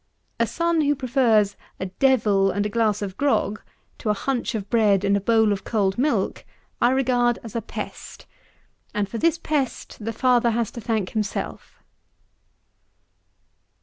A son who prefers a "devil" and a glass of grog to a hunch of bread and a bowl of cold milk, I regard as a pest; and for this pest the father has to thank himself.